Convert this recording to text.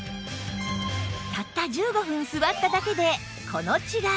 たった１５分座っただけでこの違い